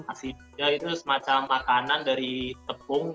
asidah itu semacam makanan dari tepung gitu